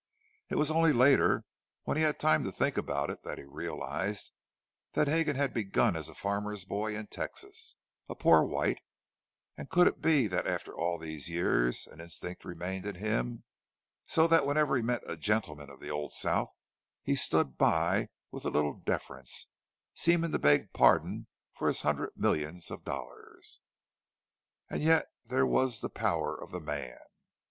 It was only later, when he had time to think about it, that he realized that Hegan had begun as a farmer's boy in Texas, a "poor white"; and could it be that after all these years an instinct remained in him, so that whenever he met a gentleman of the old South he stood by with a little deference, seeming to beg pardon for his hundred millions of dollars? And yet there was the power of the man.